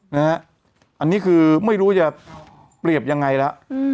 นะครับอันนี้คือไม่รู้จะเปรียบยังไงละ